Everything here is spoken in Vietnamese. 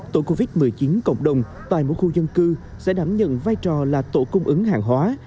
tổ covid một mươi chín cộng đồng tại một khu dân cư sẽ đảm nhận vai trò là tổ cung ứng hàng hóa